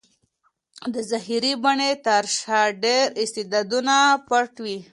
د ظاهري بڼې تر شا ډېر استعدادونه پټ وي.